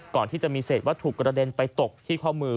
ก่อนที่จะมีเศษวัตถุกระเด็นไปตกที่ข้อมือ